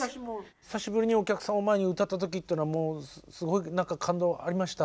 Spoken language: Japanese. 久しぶりにお客さんを前に歌った時っていうのはもう何か感動ありました？